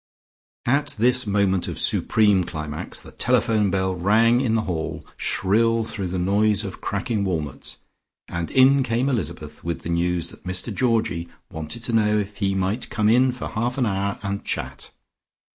At this moment of supreme climax, the telephone bell rang in the hall, shrill through the noise of cracking walnuts, and in came Elizabeth with the news that Mr Georgie wanted to know if he might come in for half an hour and chat.